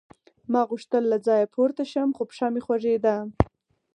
ما غوښتل له ځایه پورته شم خو پښه مې خوږېده